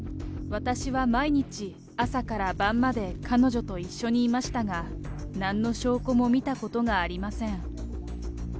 私は毎日、朝から晩まで彼女と一緒にいましたが、なんの証拠も見たことがありません。